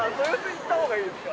行った方がいいですか。